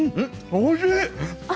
おいしい。